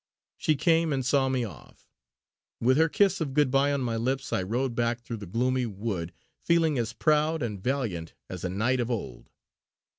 She came and saw me off; with her kiss of good bye on my lips I rode back through the gloomy wood, feeling as proud and valiant as a knight of old.